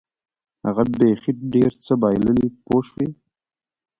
هغه بیخي ډېر څه بایلي پوه شوې!.